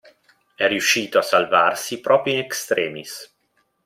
È riuscito a salvarsi proprio in extremis.